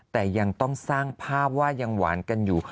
แต่ยังต้องสร้างภาพว่ายังหวานกันอยู่